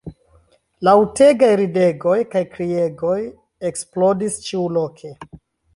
Laŭtegaj ridegoj kaj kriegoj eksplodis ĉiuloke.